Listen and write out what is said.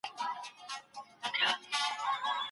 انسان بايد خپل عزت په هر ځای کي وساتي.